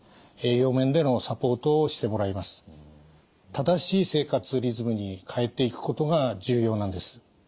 正しい生活リズムに変えていくことが重要なんです。